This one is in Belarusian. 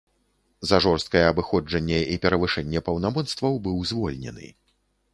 За жорсткае абыходжанне і перавышэнне паўнамоцтваў быў звольнены.